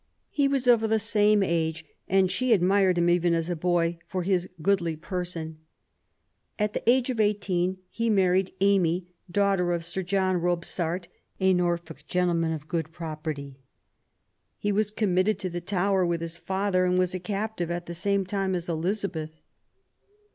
He was of the same age, and she admired him even as a boy "for his goodly person ". At the age of eighteen he married Amy, daughter of Sir John Robsart, a Norfolk gentle man of good property. He was committed to the Tower with his father, and was a captive at the same time as Elizabeth.